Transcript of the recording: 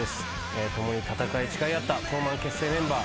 共に戦い誓い合った東卍結成メンバー